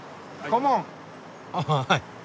ああはい。